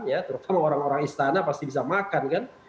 ya terutama orang orang istana pasti bisa makan kan